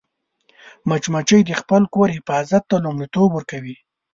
مچمچۍ د خپل کور حفاظت ته لومړیتوب ورکوي